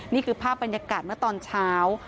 นี่คือภาพบรรยากาศเมื่อตอนเช้า